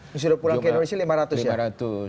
yang sudah pulang ke indonesia lima ratus ya